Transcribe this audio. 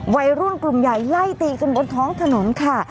วัยรุ่นกลุ่มใหญ่ไล่ตีกันบนท้องถนนค่ะ